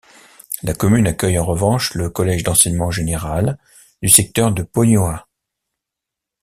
La commune accueille en revanche le collège d'enseignement général du secteur de Pognoa.